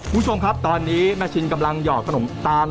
คุณผู้ชมครับตอนนี้แม่ชินกำลังหยอดขนมตาล